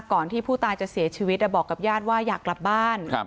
ก่อนที่ผู้ตายจะเสียชีวิตบอกกับญาติว่าอยากกลับบ้าน